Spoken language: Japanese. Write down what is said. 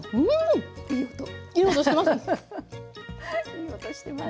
いい音してます？